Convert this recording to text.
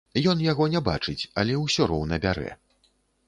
Ён яго не бачыць, але ўсё роўна бярэ.